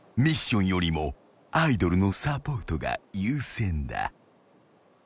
［ミッションよりもアイドルのサポートが優先だ］